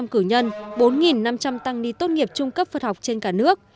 hai năm trăm linh cử nhân bốn năm trăm linh tăng ni tốt nghiệp trung cấp phật học trên cả nước